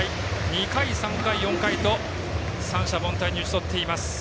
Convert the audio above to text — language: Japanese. ２回、３回、４回と三者凡退に打ち取っています。